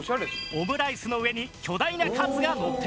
オムライスの上に巨大なカツがのっています。